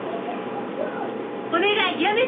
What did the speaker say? お願いやめて。